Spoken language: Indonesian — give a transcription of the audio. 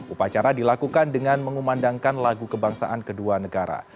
upacara dilakukan dengan mengumandangkan lagu kebangsaan kedua negara